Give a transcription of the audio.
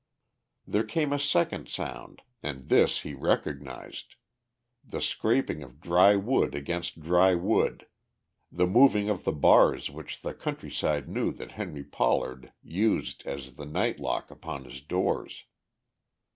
There came a second sound and this he recognized; the scraping of dry wood against dry wood, the moving of the bars which the countryside knew that Henry Pollard used as the nightlock upon his doors.